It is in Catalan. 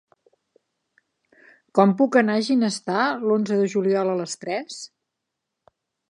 Com puc anar a Ginestar l'onze de juliol a les tres?